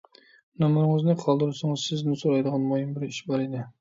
نومۇرىڭىزنى قالدۇرسىڭىز، سىزدىن سورايدىغان مۇھىم بىر ئىش بار ئىدى.